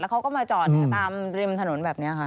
เขาก็มาจอดตามริมถนนแบบนี้ค่ะ